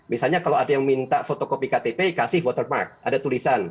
misalnya kalau ada yang minta fotokopi ktp kasih waterpark ada tulisan